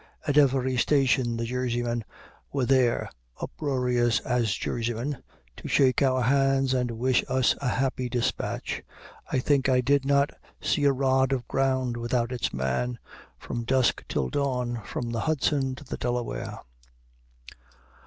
At every station the Jerseymen were there, uproarious as Jerseymen, to shake our hands and wish us a happy despatch. I think I did not see a rod of ground without its man, from dusk till dawn, from the Hudson to the Delaware.